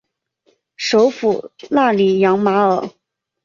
首府纳里扬马尔。